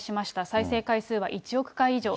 再生回数は１億回以上。